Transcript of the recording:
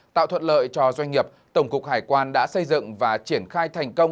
tạo thuận lợi cho doanh nghiệp tổng cục hải quan đã xây dựng và triển khai thành công